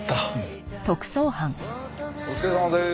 お疲れさまでーす。